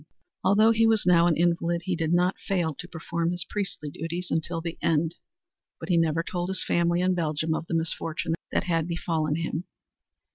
Although he was now an invalid, he did not fail to perform his priestly duties until the end, but he never told his family in Belgium of the misfortune that had befallen him.